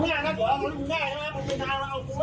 คุณแม่น้าควรเปลืองมือแม่นะผมเป็นทางหาผมนะ